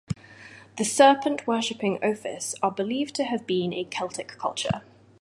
The serpent-worshipping Ophis are believed to have been a Celtic culture.